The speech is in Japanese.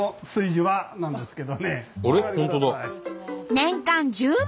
年間１０万